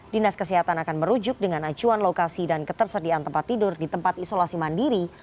dinas kesehatan akan merujuk dengan acuan lokasi dan ketersediaan tempat tidur di tempat isolasi mandiri